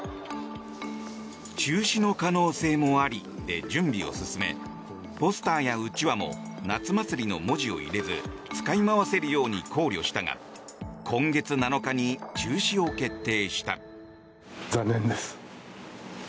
中止の可能性もありで準備を進めポスターやうちわも夏休みの文字を入れず使い回せるよう考慮したが今月７日に中止を決定した。